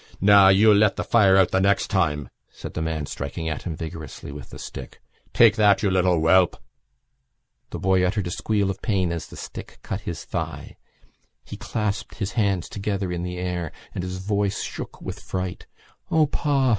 "Now, you'll let the fire out the next time!" said the man striking at him vigorously with the stick. "Take that, you little whelp!" The boy uttered a squeal of pain as the stick cut his thigh. He clasped his hands together in the air and his voice shook with fright. "O, pa!"